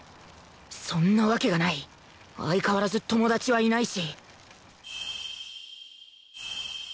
そんなわけがない相変わらず友達はいないし